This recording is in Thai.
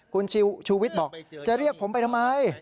คุณชูวิทย์บอกจะเรียกผมไปทำไม